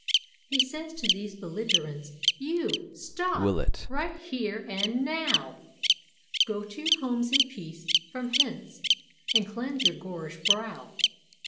He says to these belligerents— "You stop! Right here and nowf* "Go to your homes in peace, from hence And cleanse your gorish brow!"